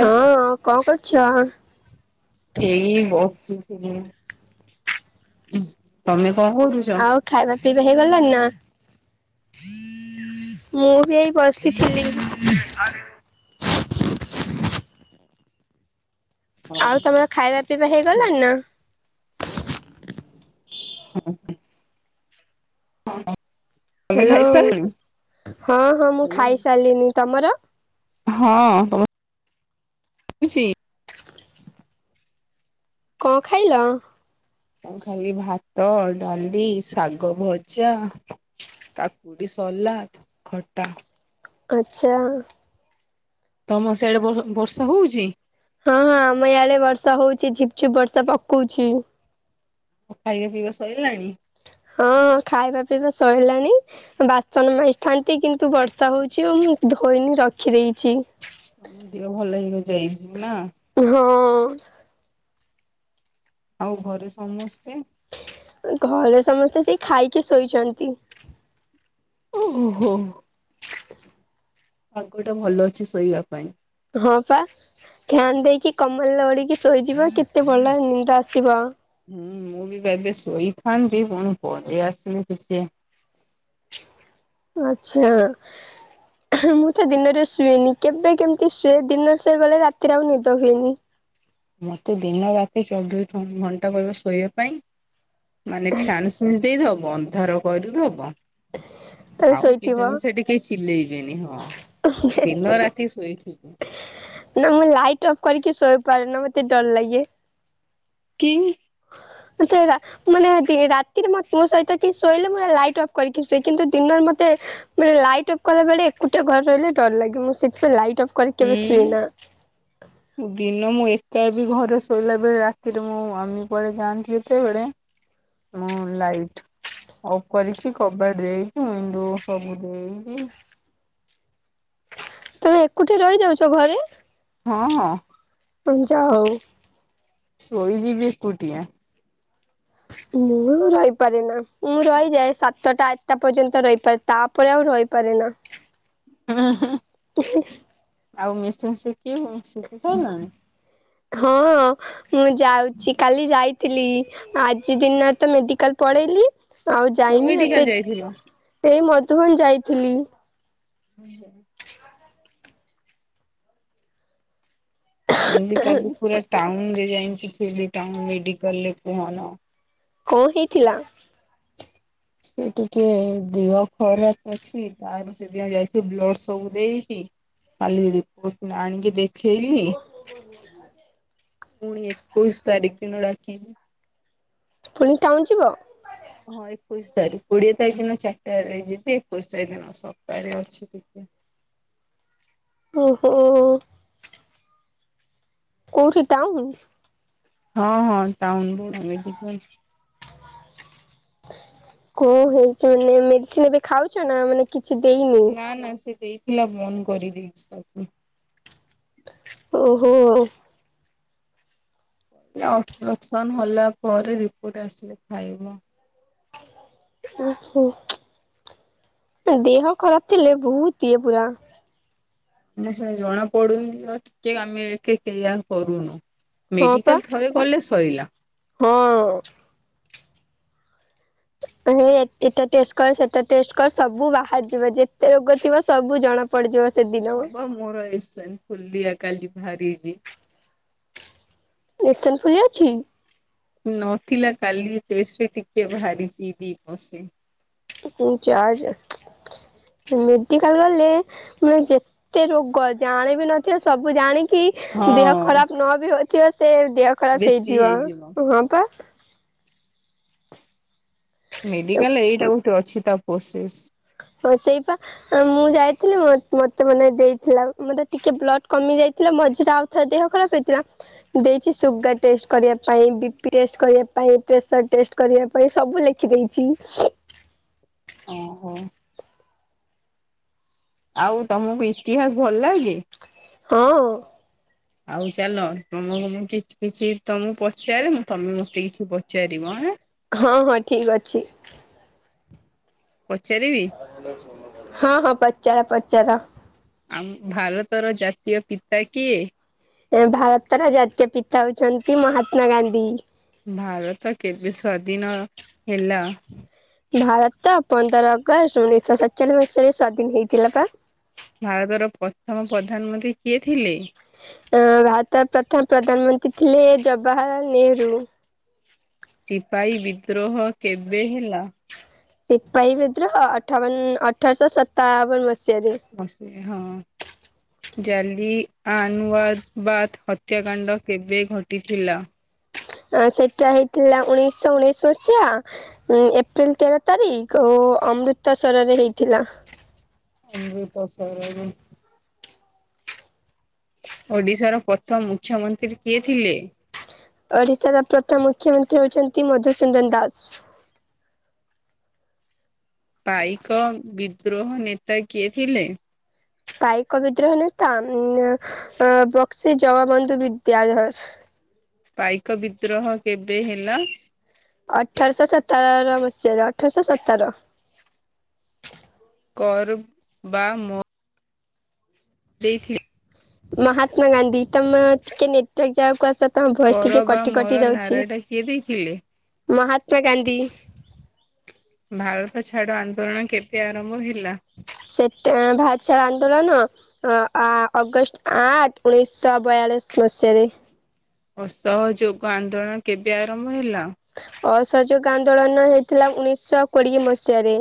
ହଁ କଣ କରୁଚ? ଏଇ ବସିଥିଲି, ତମେ କଣ କରୁଚ? ଆଉ ଖାଇବା ପିଇବା ହେଇଗଲଣିି ନା? ମୁଁ ବି ଏଇ ବସିଥିଲି। ଆଉ ତମର ଖାଇବା ପିଇବା ହେଇଗଲାଣି ନା? [unintelligible] ହାଲୋ, ଖାଇସାରିଲଣି? ହଁ ହଁ ମୁଁ ଖାଇସାଲିନି ତମର ହଁ ଅ ଶୁଭୁଚି? କଣ ଖାଇଲ? କଁ ଖାଇଲି ଭାତ, ଡାଲି, ଶାଗ ଭଜା। କାକୁଡି ସଲାଡ଼, ଖଟା। ଆଛା। ତମ ସିଆଡେ ଵ ବର୍ଷା ହଉଛି? ହଁ ହଁ ଆମ ୟାଡେ ବର୍ଷା ହଉଛି ଝିପ୍ ଝୁପ୍ ବର୍ଷା ପକଉଛି। ଉ ଖାଇବା ପିଇବା ସରିଲାଣି? ହଁ ଖାଇବା ପିଇବା ସଇଲାଣି। ବାସନ ମାଜିଥାନ୍ତି କିନ୍ତୁ ବର୍ଷା ହଉଛି ମୁଁ ଧୋଇନି ରଖି ଦେଇଛି। ଏମିତି କା ଭଲ [unintelligible] ନା। ହଁ। ଆଉ ଘରେ ସମସ୍ତେ। ଘରେ ସମସ୍ତେ ସେ ଖାଇକି ଶୋଇଛନ୍ତି। ଓ ହୋ ହୋ। [unintelligible] ପାଗଟା ଭଲ ଅଛି ଶୋଇବା ପାଇଁ। ହଁ ପା ଫ୍ୟାନ ଦେଇକି କମଲ [unintelligible] ଶୋଇଚି ବା, କେତେ ଭଲ ନିଦ ଆସିବ। ହୁଁ ମୁଁ ବି ଏବେ ଶୋଇଥାନ୍ତି ପୁଣି ପେଇ ଆସନି ଟିକେ। ଆଛା। ମୁଁ ତ ଦିନରେ ଶୁଏନି, କେବେ କେମିତି ଶୁଏ ଦିନରେ ଶୋଇଗଲେ ରାତିରେ ଆଉ ନିଦ ହୁଏନି। ମୋତେ ଦିନ ରାତି ଚବିଶ ଘଣ୍ଟା କହିବ ଶୋଇବା ପାଇଁ ମାନେ ଫ୍ୟାନ୍ ସୁଇଚ ଦେଇଦବ, ଅନ୍ଧାର କରିଦବ ତମେ ଆଉ ଶୋଇଥିବ କିଚେନ ସେଥି କେହି ଚିଲେଇବେନି, ହଁ [unintelligible] ଦିନ ରାତି ଶୋଇଥିବି। ନା ମୁଁ ଲାଇଟ୍ ଅଫ୍ କରିକି ଶୋଇପାରେ ନା ମତେ ଡର ଲାଗେ। କିଂ ମୋତେ ରା ମାନେ ଦି ରାତିରେ ମ ମୋ ସହିତ କିଏ ଶୋଇଲେ ମୁଁ ଲାଇଟ୍ ଅଫ୍ କରିକି ସୁଏ କିନ୍ତୁ ଦିନରେ ମତେ ମାନେ ଲାଇଟ୍ ଅଫ୍ କଲା ବେଳେ ଏକୁଟିଆ ଘରେ ରହିଲେ ଡର ଲାଗେ। ମୁଁ ସେଥିପାଇଁ ଲାଇଟ୍ ଅଫ୍ କରି କେବେ ଶୁଏ ନା। ହୁଁ ଦିନ ମୁଁ ଏକାବି ଘରେ ଶୋଇଲା ବେଳେ ରାତିରେ ମୁଁ ମମି ପଳେଇ ଥାଆନ୍ତି ଯେତେବେଳେ ମୁଁ ଲାଇଟ୍ ଅଫ୍ କରିକି କବାଟ ଦେଇକି ଉଇଣ୍ଡୋ ସବୁ ଦେଇକି ତମେ ଏକୁଟିଆ ରହିଯାଉଛ ଘରେ? ହଁ, ହଁ। ଯା ହଉ। ଶୋଇଯିବି ଏକୁଟିଆ। ମୁଁ ରହିପାରେ ନା, ମୁଁ ରହିଯାଏ ସାତଟା ଆଠଟା ପର୍ଯ୍ୟନ୍ତ ରହିପାର ତାପରେ ଆଉ ରହିପାରେ ନା। ଆଉ ମେସିନ୍ ଶିଖି ଶିଖି ସାଇଲଣି? ହଁ। ମୁଁ ଯାଉଚି କାଲି ଯାଇଥିଲି ଆଜି ଦିନରେ ତ ମେଡିକାଲ ପଳେଇଲି। ଆଉ କୋଉ ଯାଇନି ଏବେ ମେଡିକାଲ ଯାଇଥିଲ? ଏଇ ମଧୁବନ ଯାଇଥିଲି। ହୁଁ, ହୁଁ। ଦେ ମୁଁ ବି କାଲି ପୁରା ଟାଉନରେ ଯାଇକି ଥିଲି, ଟାଉନ୍ ମେଡିକାଲରେ କୁହନା! କଁ ହେଇଥିଲା? ସେ ଟିକେ ଦେହ ଖରାପ ଅଛି ତାର ସେଦିନ ଯାଇଥଲି ବ୍ଲଡ ସବୁ ଦେଇକି କାଲି ରିପୋର୍ଟ ଆଣିକି ଦେଖ ଖେଇଲି ପୁଣି ଏକୋଇଶ ତାରିଖ ଦିନ ଡାକିଛି। ପୁଣି ଟାଉନ୍ ଯିବ? ହଁ ଏକୋଇଶ ତାରିଖ କୋଡିଏ ତାରିଖ ଦିନ ଚାରିଟ ଯିବି ଏକୋଇଶ ତାରିଖ ଦିନ ସପ୍ତାହରେ ଅଛି ଟିକେ। ଓହୋ। କୋଉଠି ଟାଉନ୍। ହଁ ହଁଉିକ [unintelligible] କଣ ହେଇଛି ନା ନିଯେ ଏବେ ଖାଉଛ ନା ମାନେ କିଛି ଦେଇନି ନା ନା ସେ ଦେଇଥିଲା ବନ୍ଦ କରିଦେଇଛି ଓହୋ ଓପରେସନ୍ ହଲା ପରେ ରିପୋର୍ଟ ଆସିଲେ ଖାଇବ ଉଁ ହୁଁ ଦେହ ଖରାପ ଥିଲେ ବହୁତ ଇଏ ପୁରା ମାନେ ସେ ଜୋଣା ପଡୁନି ଟିକେ ଆମେ ଏଠି କ୍ରିୟା କରୁନୁ ହଁ ପା ମେଡିକାଲ ଥରେ ଗଲେ ସଇିଲ ହଁ ଏହେ ଏଟା ଟେଷ୍ଟ କର ସେଟା ଟେଷ୍ଟ କର ସବୁ ବାହାରି ଯିବ ଯେତେ ରୋଗ ଥିବ ସବୁ ଜଣା ପଡିଯିବ ସେଦିନ ହବ ମୋର ଏସ ଫୁଲିଆ କାଲି ବାହାରିଛି ଏସନ ଫୁଲି ଅଛି ନଥିଲା କାଲି ଟେଷ୍ଟରେ ଟିକେ ବାହାରିଛି ଦି ବସି। [inaudible] ଞ୍ଚଜ ମେଡିକାଲ ଗଲେ [unintelligible] ମୋ ଯେତେ ରୋଗ ଜାଣିବି ନଥିବେ ସବୁ ଜାଣିକି ଦେହ ହଁ। ଖରାପ ନ ବି ହଉଥିବ ସେ ଦେହ ଖରାପ ହେଇଯିବ ହଁ ପା ମେଡିକାଲ ଏଇଟା ଗୋଟେ ଅଛି ତା ପ୍ରୋସେସ୍ ହଁ! ସେଇପା ମୁଁ ଯାଇଥିଲି ମତେ ମାନେ ଦେଇଥିଲା ମତେ ଟିକେ ବ୍ଲଡ କମି ଯାଇଥିଲା ମଝିରେ ଆଉ ତା ଦେହ ଖରାପ ହେଇଥିଲା ଦେଇଛି ସୁଗାର ଟେଷ୍ଟ କରିବା ପାଇଁ ବିପି ଟେଷ୍ଟ କରିବା ପାଇଁ ପ୍ରେସର ଟେଷ୍ଟ କରିବା ପାଇଁ ସବୁ ଲେଖି ଦେଇେଇଛି ଓହୋ ଆଉ ତମକୁ ଇତିହାସ ଭଲ୍ ଲାଗେ? ହଁ! ଆଉ ଚାଲ ତମକୁ ମୁଁ କିଛି, କିଛି ତମକୁ ପଚାରେ ତମେ ମତେ କିଛି ପଚାରିବ ଆଁ ହଁ! ହଁ! ଠିକ ଅଛି। ପଚାରିବି? [inaudible] ହଁ! ହଁ! ପଚାର ପଚାର। ଆମ ଭାରତର ଜାତୀୟ ପିତା କିଏ? ଏ ଭାରତର ଜାତୀୟ ପିତା ହେଉଛନ୍ତି ମହାତ୍ମା ଗାନ୍ଧୀ ଭାରତ କେବେ ସ୍ୱାଦିନ ହେଲା? ଭାରତ ପନ୍ଦର ଅଗଷ୍ଟ ଉଣେଇଶହ୍ ସତ୍୍ଚଚାଳିସ୍ ମସିହାରେ ସ୍ଵାଧୀନ ହେଇଥିଲା ବା। ଭାରତର ପ୍ରଥମ ପ୍ରଧାନମନ୍ତ୍ରୀ କିଏ ଥିଲେ? ହୁଁ ଭାର୍ତ ପ୍ରଥମ ପ୍ରଧାନମନ୍ତ୍ରୀ ଥିଲେ ଜବାହାର ନେହେରୁ ସିପାହୀ ବିଦ୍ରୋହ କେବେ ହେଲା? ସିପାହୀ ବିଦ୍ରୋହ୍ ଅଠାବନ ଅଠରଶହ ସତାବନ ମସିହାରେ। ବସି [inaudible] ହଁ! ଜାଲି ଆ ଆନ୍ୱବାଦ୍ ହତ୍ୟାକାଣ୍ଡ କେବେ ଘଟିଥିଲା? ଆଁ ସେଟା ହେଇଥିଲା ଉଣେଇଶ ଉଣେଇଶି ମସିହା ଉଁ ଏପ୍ରିଲ ତେର ତାରିଖ ଓ ଅମୃତସରରେ ହେଇଥିଲା। ଅମୃତସରରେ ଓଡିଶାର ପ୍ରଥମ ମୁଖ୍ୟମନ୍ତ୍ରୀ କିଏ ଥିଲେ? ଓଡ଼ିଶାର ପ୍ରଥମ ମୁଖ୍ୟମନ୍ତ୍ରୀ ହଉଛନ୍ତି ମଧୁସୁନ୍ଦନ ଦାସ। ପାଇକ ବିଦ୍ରୋହ୍ ନେତା କିଏ ଥିଲେ? ପାଇକ ବିଦ୍ରୋହ ନେତା ଉଁ ଅଁ ବକ୍ସି ଜଗବନ୍ଧୁ ବିଦ୍ୟାଧର। ପାଇକ ବିଦ୍ରୋହ କେବେ ହେଲା? ଅଠରଶହ ସତର ମସିହାରେ ଅଠରଶହ ସତର। କରୁ ବା ମ ଦେଇଥି ମହାତ୍ମା ଗାନ୍ଧୀ ତମ କେ ନେଟ୍ର ଜାହା କୁ ଆସତ। ତମ ଭୟେସ କର ଟିକେ ବା କଟି ମୋର କଟି ଯାଉଛି, ନାରାଟା କିଏ ଦେଇଥିଲେ? ମହାତ୍ମା ଗାନ୍ଧୀ। ଭାରତ ଛାଡ ଆନ୍ଦୋଳନ କେବେ ଆରମ୍ଭ ହେଲା? ସେ ତେ ଭାରତ ଛାଡ ଆନ୍ଦୋଳନ। ହଁ ଆଁ ଅଗଷ୍ଟ ଆଠଂ ଉଣେଇଶହ ବୟାଳିଶ ମସିହାରେ। ଅସହଯୋଗ ଆନ୍ଦୋଳନ କେବେ ଆରମ୍ଭ ହେଲା? ଅସଯୋଗ ଆନ୍ଦୋଳନ ହେଇଥିଲା ଉଣେଇଶହ କୋଡିଏ ମସିହାରେ।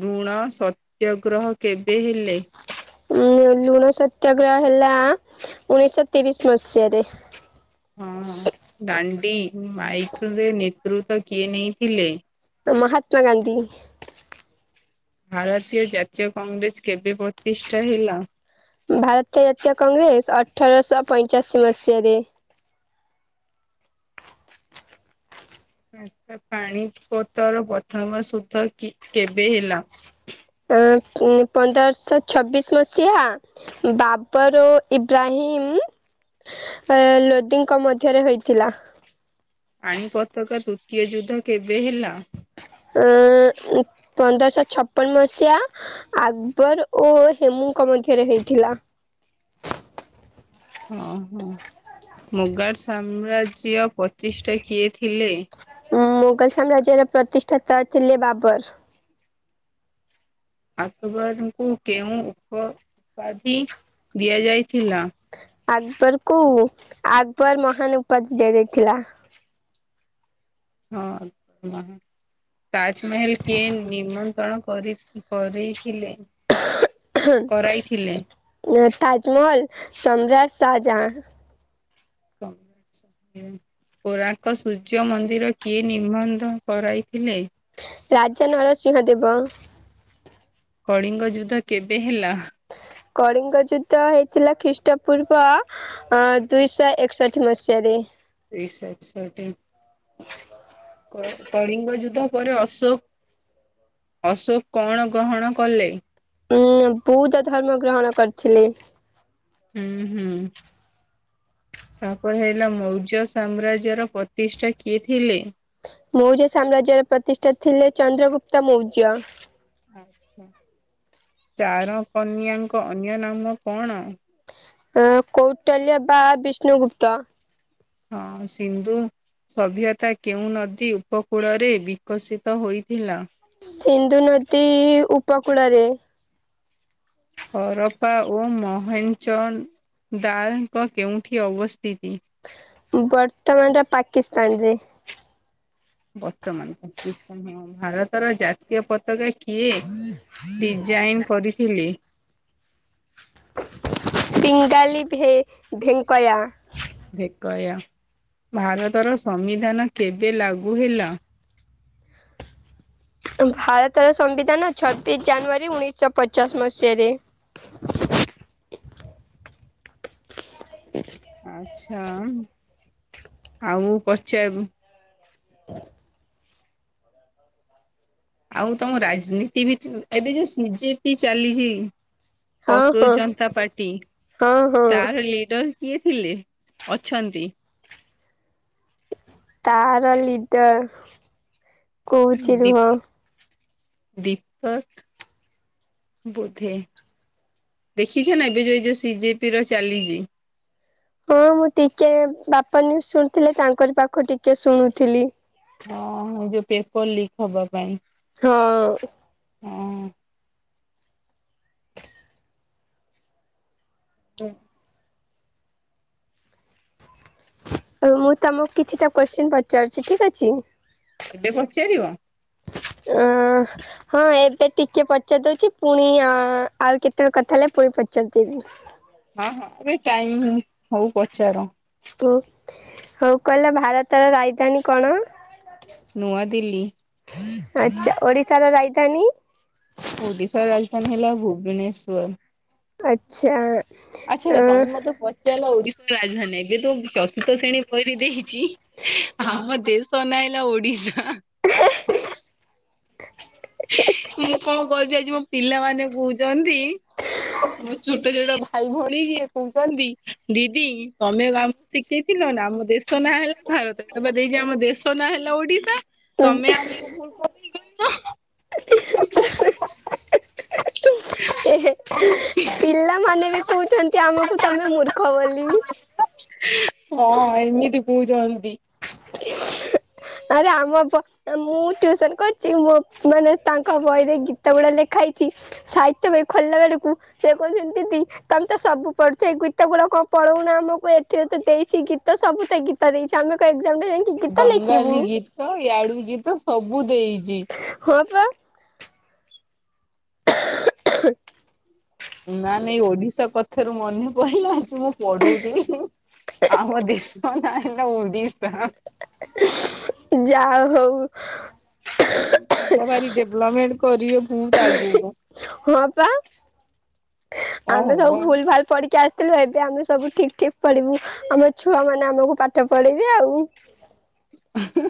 ବୃଣ ସତ୍ୟଗ୍ରହ କେବେ ହେଲେ? ଉଁ ଲୁଣ ସତ୍ୟାଗ୍ରହ ହେଲା ଉଣେଇଶଶହ ତିରିଶ ମସିହାରେ। ହଁ ଦାଣ୍ଡି ମାଇକ୍ରେରେ ନେତୃତ୍ୱ କିଏ ନେଇଥିଲେ? ତ ମହାତ୍ମା ଗାନ୍ଧୀ। ଭାରତୀୟ ଜାତୀୟ କଂଗ୍ରେସ କେବେ ପ୍ରତିଷ୍ଠା ହେଲା? ଭାରତୀୟ ଜାତୀୟ କଂଗ୍ରେସ ଅଠରଶହ ପଇଁଚାଅଶୀ ମସିହାରେ। ଆଚ୍ଛା ପାନିପଥର ପ୍ରଥମ ସୂତ କି କେବେ ହେଲା? ଅ ଉଁ ପନ୍ଦର ଶହ ଛବିଶି ମସିହା ବାବରୋ ଇବ୍ରାହିମ୍ ଏ ଲୋଦିଙ୍କ ମଧ୍ୟରେ ହୋଇଥିଲା। ପାଣି ପତକା ତୃତୀୟ ଯୁଦ୍ଧ କେବେ ହେଲା? ଅଁ ଉଁ ଅପନ୍ଦରଶହ ଛପନ ମସିହା ଆକବର ଓ ହେମୁଙ୍କ ମଧ୍ୟରେ ହେଇଥିଲା। ଓହୋ ମୁଗାର ସାମ୍ରାଜ୍ୟ ପ୍ରଚିଷ୍ଟା କିଏ ଥିଲେ? ମୋଗାଲ ସାମ୍ରାଜ୍ୟର ପ୍ରତିଷ୍ଠାତା ଥିଲେ ବାବର। ଆକବରଙ୍କୁ କେଉଁ ଉପ ଉପାଧି ଦିଆଯାଇଥିଲା? ଆକବର କୁ ଆକବର ମହାନ ଉପାଧି ଦିଆଯାଇଥିଲା। ହଁ ହଁ ତାଜମେହେଲ କିଏ ନିମନ୍ତ୍ରଣ କରି ପରେଇଥିଲେ। ଉଁ ତାଜମହଲ ସମ୍ରାଜ ସାହା ଯାହା [unintelligible] କୋରାଙ୍କ ସୂର୍ଯ୍ୟ ମନ୍ଦିର କିଏ ନିର୍ବନ୍ଧ କରାଇଥିଲେ? ରାଜା ନରସିଂହଦେବ। କଳିଙ୍ଗ ଯୁଦ୍ଧ କେବେ ହେଲା? କଳିଙ୍ଗ ଯୁଦ୍ଧ ହେଇଥିଲା ଖ୍ରୀଷ୍ଟ ପୂର୍ବ ଅ ଦୁଇଶହ ଏକଷଠି ମସିହାରେ। ଏ ସ ସଟିମ। [inaudible] କ କଳିଙ୍ଗ ଯୁଦ୍ଧ ପରେ ଅଶୋକ ଅଶୋକ କଣ ଗ୍ରହଣ କଲେ? ଉଁ ବୌଦ୍ଧ ଧର୍ମ ଗ୍ରହଣ କରିଥିଲେ। ଉଁ ହୁଁ। ତାପରେ ହେଲା ମୌର୍ଯ୍ୟ ସାମ୍ରାଜ୍ୟର ପ୍ରତିଷ୍ଠା କିଏ ଥିଲେ? ମୌର୍ଯ୍ୟ ସାମ୍ରାଜ୍ୟର ପ୍ରତିଷ୍ଠା ଥିଲେ ଚନ୍ଦ୍ରଗୁପ୍ତ ମୌର୍ଯ୍ୟ। ଆଛା ଚାରକନ୍ୟାଙ୍କ ଅନ୍ୟ ନାମ କଣ? ଅ କୌଟଲ୍ୟ ବା ବିଷ୍ଣୁଗୁପ୍ତ ହଁ ସିନ୍ଦୁ ସଭ୍ୟତା କେଉଁ ନଦୀ ଉପକୂଳରେ ବିକଶିତ ହୋଇଥିଲା। ସିନ୍ଧୁ ନଦୀ ଉପକୂଳରେ। ହରପା ଓ ମହେଚ ଦାଲଙ୍କ କେଉଁଠି ଅବସ୍ଥିତି? ବର୍ତ୍ତମାନର ଟା ପାକିସ୍ତାନ ଯେ। ଭାରତର ଜାତୀୟ ପ କା କିଏ ଡିଜାଇନ କରିଥିଲି [unintelligible] ପିଙ୍ଗାଲିୀ ଭେ ଭେଙ୍କାୟ। ଭେକୟା ଭାରତର ସମ୍ବିଧାନ କେବେ ଲାଗୁ ହେଲା।?? ଭାରତର ସମ୍ବିଧାନ ଛତିଶ ଜାନୁଆରୀ ଉଣେଇଶହ ପଚାଶ ମସିହାରେ। ଆଚଛା ଆଉ ମୁଁ ପଚାର [unintelligible] [inaudible] ଆଉ ତମ ରାଜନୀତି ବି ଏବେ ଯୋଉ ସିଜେପି ଚାଲିଛି। ହଁ କକୋ ହଁ ଜନତା ପାର୍ଟି ହଁ ହଁ ତାର ଲିଡର କିଏ ଥିଲେ ଅଛନ୍ତି। ତାହାର ଲିଡର କହୁଛି ରୁହ। ଦୀପକ୍। ବୋଧେ ଦେଖିଛ ନା ଏବେ ଯୋଉ ଯା ସି ଜେ ପି ର ଚାଲିଛି। ହଁ ମୁଁ ଟିକେ ବାପା ନୁ ଶୁଣୁଥିଲେ ତାଙ୍କରିପାଖ ଟିକେ ଶୁଣୁଥିଲି। ହଁ ଯୋଉ ପେପର ଲିକ ହବା ପାଇଁ। ହଁ। ହଁ। ହୁଁ। ଆଉ ମୁଁ ତମକୁ କିଛିଟା କୋଶ୍ଚିନ୍ ପଚାରୁଛି ଠିକ୍ଅଛି। ଏବେ ପଚାରିବ? ଅଁ ହଁ ଏବେ ଟିକେ ପଚାରି ଦଉଛି ପୁଣି ଆଉ କେତେବେଳେକଥା ହେଲେ ପୁଣି ପଚାରିଦବି ହଁ ହଁ ଏବେ ଟାଇମ୍ ହଉ ପଚାର? ଓ ହଉ କହିଲା ଭାରତର ରାଜଧାନୀ କଣ? ନୂଆଦିଲ୍ଲୀ। ଆଛା ଓଡିଶାର ରାଜଧାନୀ? ଓଡ଼ିଶାର ର ରକ। ରାଜ ଆଚ୍ଛା ଆଛା ଅ ମତେ ପଚାରିଲା ଓଡିଶା ରାଜଧାନୀ ଏବେ ତ ଚତୁର୍ଥ ଶ୍ରେଣୀ ପରି ଦେଖିଛି ଆମ ଦେଶ ନା ହେଲା ଓଡିଶା। [unintelligible] ମୁଁ କଣ କହିବି ଆଜି ମୋ ପିଲାମାନେ କହୁଛନ୍ତି ମୋ ଛୋଟ ଛୋଟ ଭାଇ ଭଳି ଯିଏ କହୁଛନ୍ତି ଦିଦି ତମେ କାମକୁ ଶିଖେଇଥିଲ ନା ଆମ ଦେଶ ଦେ ନାଁ ହେଲା ଭାରତ ଏବେ ଦେଇଛି ଆମ ଦେଶ ନାଁ ହେଲା ଓଡିଶା। ତମେ ଆମ ଭଲ କ କଦୁଛ। [unintelligible] ପିଲାମାନେ ବି କହୁଛନ୍ତି ଆମକୁ ତମେ ମୂର୍ଖ ବୋଲି। ହଁ। ଆଇ। ପ ଜାନ୍ତି ଆରେ ଆମ ମୁଁ ଟ୍ୟଉସନ କରିଛି ମୋ ମାନେ ତାଙ୍କ ବହିରେ ଗୀତ ଗୁଡା ଲେଖାଇଛି। ସାହିତ୍ୟ ପାଇଁ ଖୋଲଲା ବେଡକୁ। ସେ କହୁଛନ୍ତି ଦି ତମେ ତ ସବୁ ପଢୁଛ ଏଇ ଗୀତ ଗୁଡା କଣ ପଳଉନ ଆମକୁ ଏଠରୁ ତ ଦେଇଛି ଗୀ ତ ସବୁ ତେ ଗୀତା ଦେଇେ ଆେ କ ଅକ୍କମ୍। ବାଙ୍ଗାଲୀ ଗୀତ ୟାଡୁ ଗୀତ ସବୁ ଦେଇଛି। ହଁ ପା [unintelligible] ନା ନାଇଁ ଓଡିଶା କଥା। ଏଥରୁ ମନେ କହିଲ ଆଜି ମୁଁ ପଢଉଛିି ଆମ ଦେଶ ନାହିଁ। ଦିସ। ଯା ହଉ। ପିଲା ଭାର ଡେଭଲପମେଣ୍ଟ କରିବେ ବହୁତ ଆଗକୁ ହଁ ପା କଣ ଆମେ ହବ ସବୁ ଆଉ। ଭୁଲ ଭଲ ପଢିକି ଆସିୁ ଥିଲୁ ଏବେ ଆମେ ସବୁ ଠିକ ଠିକ ପଳିବୁ ଆମ ଛୁଆ ମାନେ ଆମକୁ ପାଠ ପଢେଇବେି ଆଉ। ହ